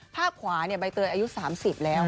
ภาพขวาใบเตยอายุ๓๐แล้ว